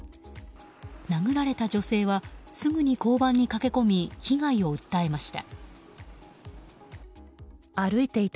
殴られた女性はすぐに交番に駆け込み被害を訴えました。